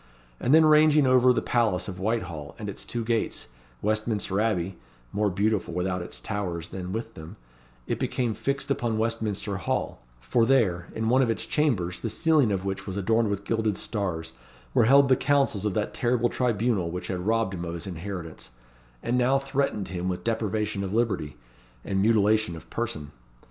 and then ranging over the palace of Whitehall and its two gates, Westminster Abbey more beautiful without its towers than with them it became fixed upon Westminster Hall; for there, in one of its chambers, the ceiling of which was adorned with gilded stars, were held the councils of that terrible tribunal which had robbed him of his inheritance, and now threatened him with deprivation of liberty, and mutilation of person.